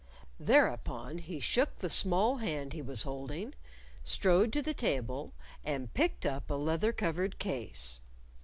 Thereupon he shook the small hand he was holding, strode to the table, and picked up a leather covered case.